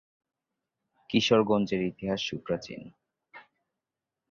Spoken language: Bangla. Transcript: কিশোরগঞ্জের ইতিহাস সুপ্রাচীন।